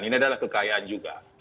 ini adalah kekayaan juga